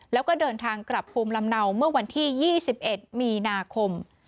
แล้วก็เดินทางกลับภูมิลำเนาเมื่อวันที่๒๑มีนาคม